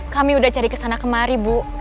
kami udah cari kesana kemari bu